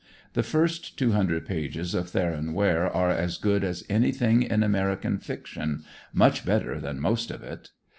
The first 200 pages of "Theron Ware" are as good as anything in American fiction, much better than most of it.